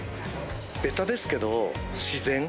べたですけど、自然。